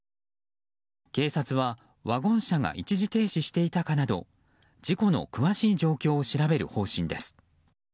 警察はワゴン車が一時停止していたかなど事故の詳しい状況を調べる方針です。